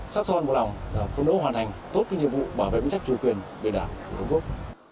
sắc son một lòng không nỗ hoàn hành tốt cái nhiệm vụ bảo vệ vũ trách chủ quyền về đảo của trung quốc